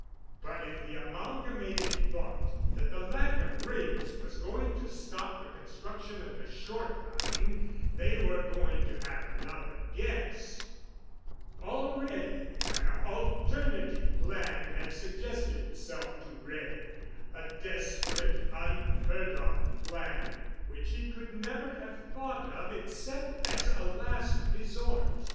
But if the Amalgamated thought that the lack of rails was going to stop the construction of the Short Line, they were going to have another guess. Already an alternative plan had suggested itself to Wray, a desperate, unheard of plan which he could never have thought of except as a last resort.